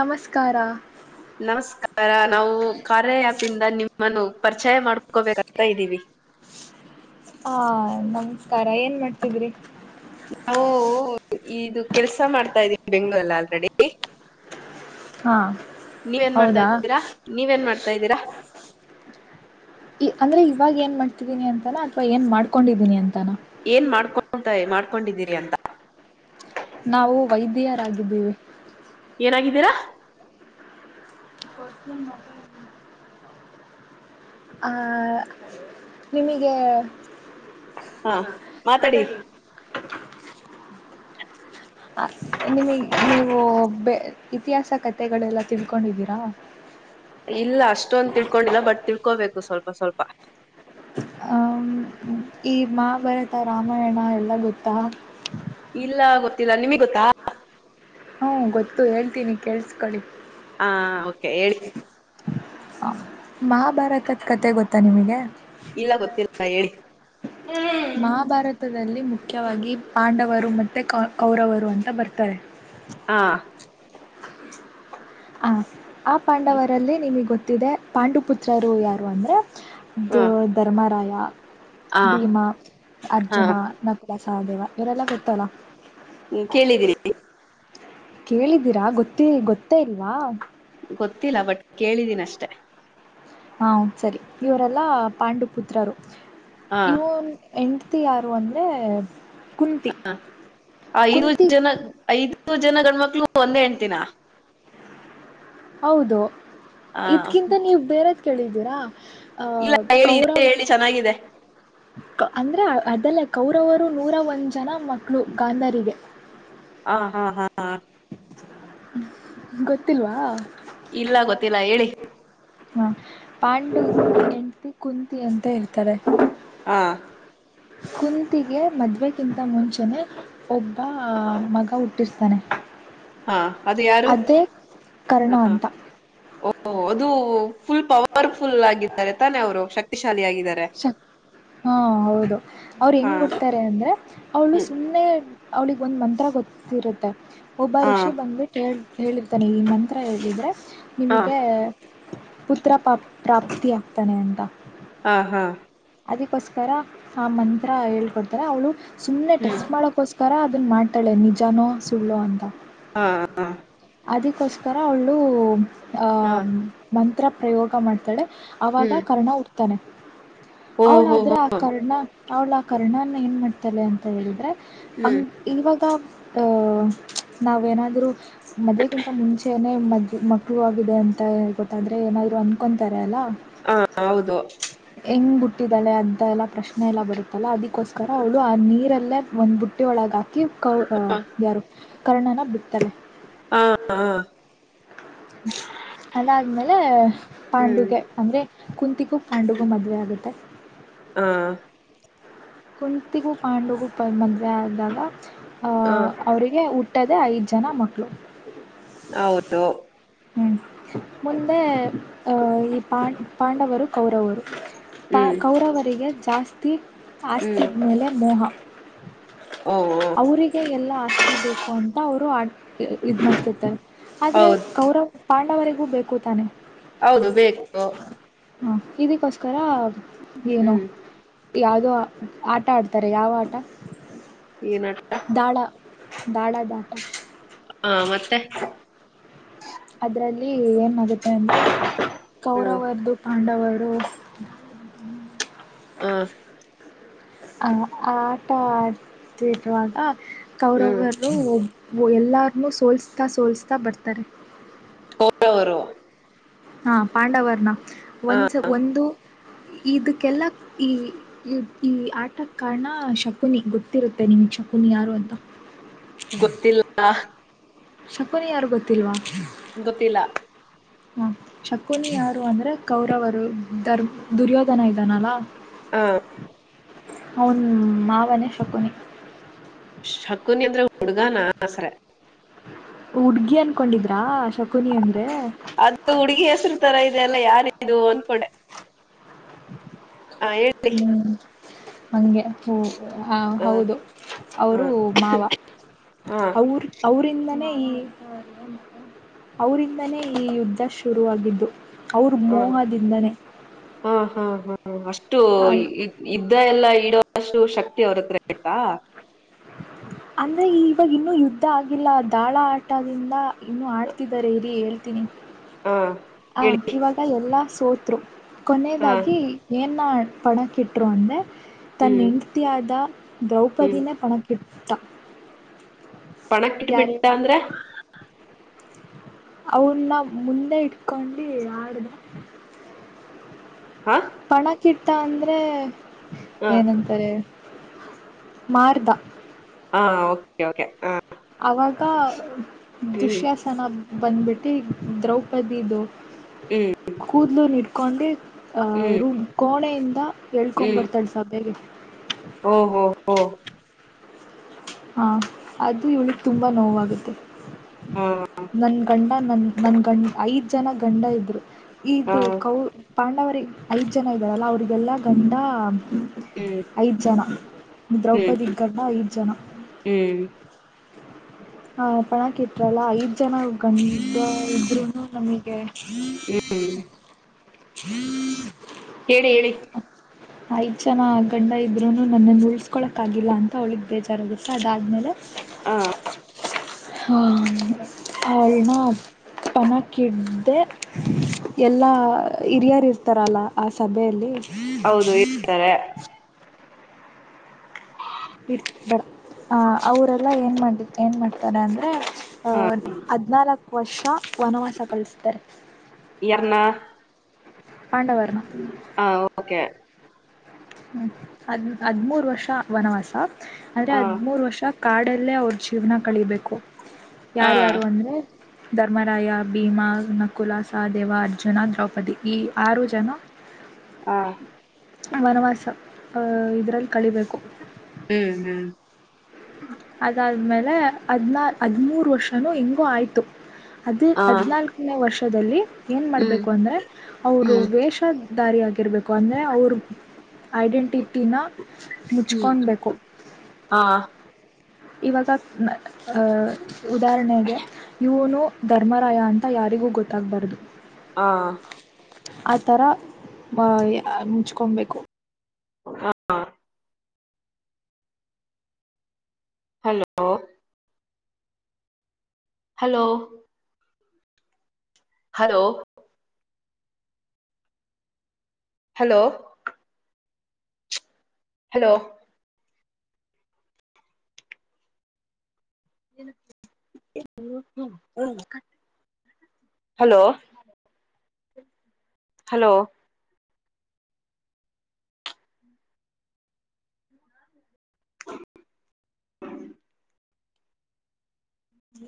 ನಮಸ್ಕಾರ ನಮಸ್ಕಾರ ನಾವು ಕಾರ್ಯಯ್ಯಪ್ ಇಂದ ನಿಮ್ಮನ್ನು ಪರಿಚಯ ಮಾಡ್ಕೋಬೇಕತಾ ಇದ್ದೀವಿ ಹಾ ನಮಸ್ಕಾರ ಏನ್ ಮಾಡ್ತಿದ್ರಿ ನಾವು ಇದು ಕೆಲ್ಸ ಮಾಡ್ತಾ ಇದ್ದೀವಿ ಬೆಂಗ್ಗಳೂಲ್ಲ ಆಲ್ರೆಡಿ ಹಾ ನೀವೇನ್ ಮಾಡ್ತಾ ಹೌದಾ ಇದ್ದೀರಾ ನೀವೇನ್ ಮಾಡ್ತಾ ಇದ್ದೀರಾ ಅಂದ್ರೆ ಇವಾಗ ಏನ್ ಮಾಡ್ತಿದ್ದೀನಿ ಅಂತಾನ ಅಥವಾ ಏನ್ ಮಾಡ್ಕೊಂಡಿದ್ದೀನಿ ಅಂತ ಏನ್ ಮಾಡ್ಕೊಂಡ ತಾಯ ಮಾಡ್ಕೊಂಡಿದ್ದೀರಿ ಅಂತ ನಾವು ವೈದ್ಯರಾಗಿದ್ದೀವಿ ಏನಾಗಿದ್ದೀರಾ ಆ ನಿಮಗೆ ಹಾ ಮಾತಾಡಿ [inaudible] ನಿಮ ನೀವು ಬೆ ಇತಿಹಾಸ ಕಥೆಗಳೆಲ್ಲ ತಿಳ್ಕೊಂಡಿದ್ದೀರಾ ಇಲ್ಲ ಅಷ್ಟೊಂದು ತಿಳ್ಕೊಂಡಿಲ್ಲ ಬಟ್ ತಿಳ್ಕೋಬೇಕು ಸ್ವಲ್ಪ ಸ್ವಲ್ಪ ಈ ಮಹಾಭಾರತ ರಾಮಾಯಣ ಎಲ್ಲ ಗೊತ್ತಾ ಇಲ್ಲ ಗೊತ್ತಿಲ್ಲ ನಿಮಗ್ ಗೊತ್ತಾ ಹ್ಮ ಗೊತ್ತು ಹೇಳ್ತೀನಿ ಕೇಸ್ಕೊಳ್ಳಿ ಆ ಓಕೆ ಹೇಳಿ ಹ ಮಹಾಭಾರತದ ಕತೆ ಗೊತ್ತಾ ನಿಮಗೆ ಇಲ್ಲ ಗೊತ್ತಿಲ್ಲ ಹೇಳಿ ಮಹಾಭಾರತದಲ್ಲಿ ಮುಖ್ಯವಾಗಿ ಪಾಂಡವ ಅವರು ಮತ್ತು ಕ ಕೌರವರು ಅಂತ ಬರ್ತಾರೆ ಆ, ಹ ಆ ಪಾಂಡವರಲ್ಲಿ ನಿಮಗೆ ಗೊತ್ತ ದೆ ಪಾಂಡು ಪುತ್ರರು ಯಾರು ಅಂದ್ರೆ ಆ, ದ ಧರ್ಮಾರಾಯ ಹಾ ಆ, ಭೀಮಾ ಆ, ಅರ್ಜುನ ನ ಸದೇವ ಇವರೆಲ್ಲ ಗೊತ್ತಲ್ಲ ಹ್ಮ್ ಕೇಳಿದಿರಿ ಕೇಳಿದ್ದೀರಾ ಗೊತ್ತಿ ಗೊತ್ತೇ ಇಲ್ವಾ ಗೊತ್ತಿಲ್ಲ ಬಟ್ ಕೇಳಿದೀನ ಅಷ್ಟೆ ಹಾ ಸರಿ ಇವರೆಲ್ಲಾ ಪಾಂಡು ಪುತ್ರರು ಹಾ ಇವನ್ ಎಂಡತಿ ತ್ತ ಯಾರು ಅಂದ ಹ ಐದು ಜನ ಐದು ಜನ ಗಂಡ್ಮಕ್ಳು ಒಂದೇ ಹೆಣ್ತಿನ ಹೌದು ಆ ಇದ್ಕಿಂತ ನೀವ್ ಬೇರೆ ಕೇಳಿದ್ದೀರಾ ಅ ಇಲ್ಲ ಹೇಳಿ ಕೌರವ ಇದೆ ಹೇಳಿ ಚೆನ್ನಾಗಿದೆ ಅಂದ್ರೆ ಅದೆಲ್ಲ ಕೌರವರು ನೂರ ಒಂದು ಜನ ಮಕ್ಕಳು ಗಾಂಧರಿಗೆ ಹಾ ಹಾ ಹಾ ಹಾ ಗೊತ್ತಿಲ್ವಾ ಇಲ್ಲ ಗೊತ್ತಿಲ್ಲ ಹೇಳಿ ಹಾ ಪಾಂಡು ಹೆಂಡ್ತಿ ಕುಂತಿ ಅಂತ ಹೇಳ್ತವಿ ತಾರೆ ಹಾ ಕುಂತಿಗೆ ಮದುವೆಗಿಂತ ಮುಂಚೆನೆ ಒಬ್ಬ ಮಗ ಹುಟ್ಟಿರ್ತಾನೆ ಹಾ ಅದು ಯಾರು ಅದೇ ಕರ್ಣ ಹ, ಅಂತ ಓ ಅದು ಫುಲ್ ಪವರ್ಫುಲ್ ಆಗಿದ್ದಾರೆ ತಾನೆ ಅವರು ಶಕ್ತಿ ಸಕ್ ಹಾಂ ಹೌದು ಅವ್ರು ಹಾ ಹೆಂಗ್ ಕೊಡ್ತಾರೆ ಅಂದರೆ ಅವಳು ಹ್ಮ್ ಸುಮ್ಮನೆ ಅವ್ಳಿಗೆ ಒಂದು ಮಂತ್ರ ಗೊತ್ತಿರುತ್ತೆ ಒಬ್ಬ ಹಾ ಋಷಿ ಬಂದ್ಬಿು ಹೇಳಿ ಹೇಳಿರ್ತಾನೆ ಈ ಮಂತ್ರ ಹೇಳಿದ್ರರೆ ಹಾ ನಿಮಗೆ ಪುತ್ರ ಪ್ರಾಪ್ತಿ ಆಗ್ತಾನೆ ಅಂತ ಹ ಹಾ ಅದಕ್ಕೋಸ್ಕರ ಆ ಮಂತ್ರ ಹೇಳ್ಕೊಡ್ತಾರೆ ಅವಳು ಸುಮ್ಮನೆ ಹ್ಮ್ ಟೆಸ್ಟ್ ಮಾಡೋಕ್ಕೋಸ್ಕರ ಒಥರ ಅದನ್ನ ಮಾಡ್ತಾಳೆ ನಿಜಾನೋ ಸುಳ್ಳು ಅಂತ ಹಾ ಅದಕ್ಕೋಸ್ಕರ ಅವಳು ಹಾ ಮನ್ ಹತ್ರ ಪ್ರಯೋಗ ಮಾಡ್ತಾಳೆ ಆಾಗ ಹ್ಮ್ ಕರ್ಣ ಉ ತ್ತನೆ ಓ ಹೋ ಅವನಾದ್ರೆ ಹೋ ಆ ಕರ್ಣ ಅವ್ಳ ಆ ಕರ್ಣಾನ ಏನ್ ಮಾಡ್ತಳೆ ಅಂತ ಹೇಳಿದ್ರರೆ ಅ ಹ್ಮ್ ಇವಾಗದ ಅಹ ನಾವೇನಾದ್ರೂ ಮದ್ವೆಗಿಂತ ಮುಂಚೆನೆೇ ಮದ ಮಕ್ಕಳು ಆಗಿದೆ ಅಂತ ಹಳ್ ಗೊತ್ತಾದ್ರೆ ಏನಾದ್ರು ಅನ್ಕೊಂತಾರೆ ಅಲ್ಲಾ ಹಾ ಹೌದು ಹೆಂ್ ಬಿುಟ್ಟಿದ್ದಾಳೆ ಅಂತ ಎಲ್ಲ ಪ್ರಶ್ನೆ ಎಲ್ಲ ಬರುತ್ತಲ್ಲ ಅದಕ್ಕೆ ಕೋಸ್ಕರ ಅವಳು ಆ ನೀರ ಲ್ಲ ಒಂದ್ ಬುಟ್ಟೆ ಒಳಗೆ ಕ ಕೌ ಹಾ ಯಾರು ಕರ್ಣನ ಬಿಡ್ತಾರೆ ಹಾ ಹಾ ಅದಾದ್ಮೇಲೆ ಹ್ಮ್ ಪಾಂಡುಗೆ ಅಂದ್ರೆ ಕುಂತಿಗೂ ಪಾಂಡುಗೂ ಮದುವೆ ಆಗುತ್ತೆ ಹಾ ಕುತಿಗೂ ಪಾಂಡುಗು ಮದುವೆ ಆದ್ದಾಗ ಆ ಹಾ ಅವರಿಗೆ ಹಟ್ಟದೆ ಐದು ಜನ ಮಕ್ಕಳು ಹೌದು ಹ್ಞೂ ಮುಂದೆ ಈ ಪಾ ಪಾಂಡವರು ಕೌರವರು ಪ ಹ್ಮ್ ಕೌರವರಿಗೆ ಜಾಸ್ತಿ ಆಸ್ತಿ ಹ್ಮ್ ಮೇಲೆ ಮೋಹ ಓ ಅವರಿಗೆ ಎಲ್ಲ ಆಸ್ತಿ ಬೇಕು ಅಂತ ಅವರು ಆ ಇದ್ ಮಾಡ್ತತ್ತ ಆದ್ರೆ ಹೌದು ಕೌರವ್ ಪಾ ಎಲ್ಲವರೆಗೂ ಬೇಕು ತಾನೆ ಹೌದು ಬೇಕು ಹಾ ಇದಕ್ಕೋಸ್ಕರ ಏನು ಹ್ಮ್ ಯಾವುದೋ ಆಟ ಆಡ್ತಾರೆ ಯಾವ ಆಟ ಈ ನಾಟಕ ದಾಳ್ ದಾಡ ದಾಟ ಹಾ ಮತ್ತೆ ಅದ್ರಲ್ಲಿ ಏನ್ಗುತ್ತೆ ಅಂದ್ರೆ ಹ್ಮ್ ಕೌರವರ್ದು ಪಾಂಡವರ್ ದ ಹಾ ಹ ಆಟಾ ಆಡೀದು ಏನು ಹ್ಮ್ ಕೌರವ್ವನ್ನು ಎಲ್ಲರನ್ನೂ ಸೋಲಿಸ್ತಾ ಸೋಲಿಸ್ತಾ ಬರ್ತಾರೆ ಒಬ್ಬರೇ ಅವ್ರು ಹಾ ಪಾಂಡವರ್ನ ಒಂದ ಒಂದು ಇದಕ್ಕೆಲ್ಲ ಈ ಆಟಕ್ ಕಾರಣ ಶಕುನಿ ಗೊತ್ತಿರುತ್ತೆ ನಿಮಗೆ ಶಕುನಿ ಯಾರು ಅಂತ ಗೊತ್ತಿಲ್ಲ ಶಕುನ ಯಾರು ಗೊತ್ತಿಲ್ವಾ ಗೊತ್ತಿಲ್ಲ ಹಾ ಶಕುನಿ ಯಾರು ಅಂದ್ರೆ ಕೌರವರು ದುರ್ಯೋಧನ ಇದಾನಲಾವ ಹ ಅವನ್ ಮಾವನೇ ಶಕುನಿ ಶಖುನೀ ಅಂದ್ರೆ ಹುಡುಗ ಹೆಸರೇ ಹುಡ್ಗಿ ಅನ್ಕೊಂಡಿದ್ರಾ ಶಕುನಿ ಅಂದ್ರೆ ಅದು ಹುಡುಗಿ ಹೆಸ್ರು ತರ ಇದೆ ಅಲ್ಲ ಯಾರ ಇಟ್ಟಿದ್ದು ಇದು ಅಂದ್ಕೊಂಡೆ ಹ್ಮ್ ನನಗೆ ಹ ಹೌದು ಹ ಅವರು ಮಾವ ಹ ಅವರು ಅವರಿಂದನೇ ಅವರಿಂದನೇ ಈ ಯುದ್ಧ ಶುರುವಾಗಿದ್ದು ಅವ್ರ ಹ ಮೋಹದಿಂದನೇ ಹಾ ಹಾ ಹ್ಮ ಅಷ್ಟ ಷ್ಟು ಇದ್ದ ಎಲ್ಲ ನೀಡುವಷ್ಟು ಶಕ್ತಿ ಅವ್ರತ್ರ ಆಂತಾ ಅಂದ್ರೆ ಇವಾಗ ಇನ್ನೂ ಯುದ್ಧ ಆಗಿಲ್ಲ ದಾಳ ಆಟದಿಂದ ಇನ್ನು ಆಡ್ತಿದ್ದಾರೆ ಇರಿ ತಿನಿ ಹಾ ಹ ಹೇಳಿ ಇವಾಗ ಎಲ್ಲಾ ಸೋ ಕತೃ ಹಾ ಕೊನೆಯದಾಗಿ ಏನ್ ನ ಪಣ ಕಿಟ್ರು ಅಂದ್ರೆ ತನ್ನ ಹ್ಮ್ ಹೆಂಡ್ತಿಯಾದ ಹ್ಮ್ ದ್ರೌಪದಿನೇ ಪಣಕ್ಕಿಟ್ಟ ತ್ತ ಪಣಕ್ಕ ಇಟ್ಬಿಟ್ಟ ಅಂದ್ರೆ ಅವನ್ನ ಮುಂದೆ ಇಟ್ಕೊಂಡು ಆಡ್ದ ಹಾ ಪಣಕ್ಕಿಟ್ಟ ಅಂದ್ರೆ ಹ ಏನಂತಾರೆ ಮಾರ್ದ ಹಾ ಓಕೆ ಓಕೆ ಹ ಅವಾಗ ಹ್ಮ್ ದುಶ್ಯಾಸನ ಬಂದ್ಬಿಟ್ಟು ದ್ರೌಪದಿದು ಹ್ಮ್ ಕೂದಲು ನೀರ್ತ [unintelligible] ಆ ಹ್ಮ್ ವ್ರು ಕೋಣೆ ಇಂದಾ ಹೇಳ್ಕೊಬರ್ತಾಳ ಸಬ್ಯೆಗೆ ಓ ಹೋ ಓ ಹಾಂ ಅದು ಇವಳಿಗೆ ತುಂಬ ನೋವಾಗುತ್ತೆ ಹಾ ನನ್ನ ಗಂಡ ನನ್ನ ನನ್ನ ಗಂಡ್ ಐದು ಜನ ಗಂಡ ಇದ್ದರು ಹಾ ಇದು ಕೌ ಪಾಂಡವರಿ ಐದ ಜನ ಇದ್ದಾರಲ್ಲ ಅವರಿಗೆಲ್ಲಾ ಗಂಡ ಹ್ಞ ಹ್ಮ್ ಐದು ಜನ ಹ್ಮ್ ದ್ರೌಪದಿ ಗಂಡ ಐದು ಜನ ಹ್ಮ್ ಹ ಪಣಕ್ ಇಟ್ರಲ್ಲ ಐದ್ ಜನ ಗಂಡ ಇದ್ರರುನು ನಮಗೆ ಹ್ಮ್ ಹ [unintelligible] ಹೇಳಿ ಹೇಳಿ ಐದು ಜನ ಗಂಡ ಇದ್ರೂನು ನನ್ನ ಉಳ್ಸ್ಕೊಳಕ್ ಆಗಿಲ್ಲ ಅಂತ ಅವಳಗ್ ಬೇಜಾರಾಗುತ್ತೆ ಅದಾದ್ಮೇಲೆ ಹ ಅ ಹೆನೊ ಪಣಕ್ಕಿಡ್ದೆ ಎಲ್ಲ ಹಿರಿಯರು ಇರ್ತಾರಲ್ಲ ಆ ಸಭೆಯಲ್ಲಿ ಹೌದು ಇರ್ತಾರೆ ಇ ಬರ್ ಆ ಅವರೆಲ್ಲ ಏನ್ ಮಾಡ ಏನ್ ಮಾಡ್ತಾರೆ ಅಂದ್ರೆ ಅ ಹ ಹದಿನಲ್ಕು ವರ್ಷ ವನವಾಸ ಕಳಿಸ್ತಾರೆ ಯಾರನ್ನ ಪಾಂಡವರನ್ನ ಹ ಓಕೆ ಹ್ಮ ಅದ್ ಹದ್ಮೂರು ವರ್ಷ ವನವಾಸ ಆದ್ರೆ ಹ ಹದ್ಮೂರ್ ವರ್ಷ ಕಾಡಲ್ಲೇ ಅವ್ರ ಜೀವನ ಕಳಬೇಕು ಹ ಯಾರ್ಯಾರು ಅಂದ್ರೆ ಧರ್ಮರಾಯ ಭೀಮಾ ನಕುಲಾ ಸಹ ದೇವ ಅರ್ಜುನ ದ್ರೌಪದಿ ಈ ಆರು ಜನ ಹಾ ವನವಾಸ ಸ ಇದರಲ್ಲಿ ಕಳಬೇಕು ಹ್ಮ್ ಹ್ಮ್ ಅದಾದ್ಮೇಲೆ ಹಾದನರ ಹದಿಮೂರು ವರ್ಷ ನಾನು ಹಿಂಗೂ ಆಯಿತು ಅದು ಹ ಹದನಾಲ್ಕನೇ ವರ್ಷ ದಲ್ಲಿ ಏನು ಹ್ಮ್ ಮಾಡಬೇಕು ಅಂದರೆ ಅವರು ಹ್ಮ್ ವೇಷ ದಾರಿಯಾಗಿರ ರ್ಬೇಕು ಅಂದರೆ ಅವರು ಐಡೆಂಟಿಟಿನ ಹ್ಮ್ ಮುಚ್ಕೊಳ್ಬೇಕು ಹ ಇವಾಗ ಅಹ ಉದಾಹರಣೆಗೆ ಇವನು ಧರ್ಮರಾಯ ಅಂತ ಯಾರಿಗೂ ಗೊತ್ತಾಗಬಾರ್ದು ಹ ಆಥರ ಮುಚ್ಕೊಬೇಕು ಹಾ hello hello hello hello hello hello hello